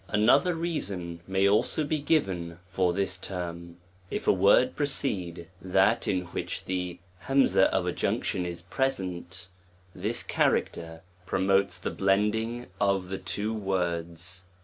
Another reason may also be given tpr thi s tenir, if a wojrd precede that in which the y of adjunctioa is present; this character promotes the blending &f the two words.